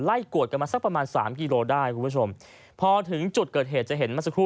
กวดกันมาสักประมาณสามกิโลได้คุณผู้ชมพอถึงจุดเกิดเหตุจะเห็นเมื่อสักครู่